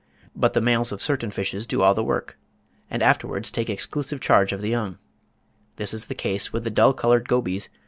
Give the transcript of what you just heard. But the males of certain fishes do all the work, and afterwards take exclusive charge of the young. This is the case with the dull coloured gobies (36.